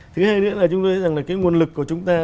thứ hai nữa là chúng tôi thấy rằng là cái nguồn lực của chúng ta